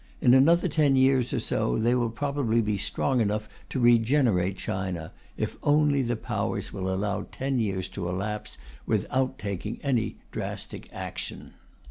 In another ten years or so they will probably be strong enough to regenerate China if only the Powers will allow ten years to elapse without taking any drastic action.